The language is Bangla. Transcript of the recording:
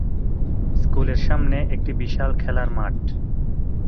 স্কুলের সামনে একটি বিশাল খেলার মাঠ।